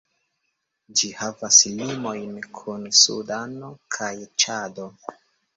Ĝi havas limojn kun Sudano kaj Ĉado.